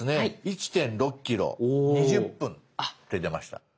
「１．６ｋｍ２０分」って出ました。